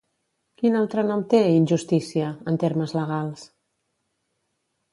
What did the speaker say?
Quin altre nom té “injustícia”, en termes legals?